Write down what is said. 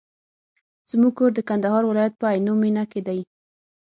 زموږ کور د کندهار ولایت په عينو مېنه کي دی.